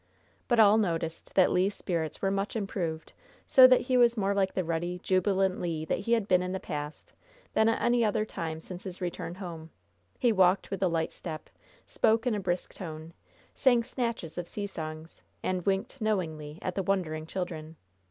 But all noticed that Le's spirits were much improved, so that he was more like the ruddy, jubilant Le that he had been in the past, than at any other time since his return home. He walked with a light step, spoke in a brisk tone, sang snatches of sea songs and winked knowingly at the wondering children.